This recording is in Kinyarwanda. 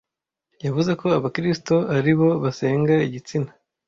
yavuze ko Abakristo ari bo basenga igitsina